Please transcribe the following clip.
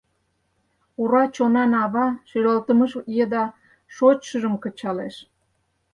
Ура чонан ава шӱлалтымыж еда шочшыжым кычалеш.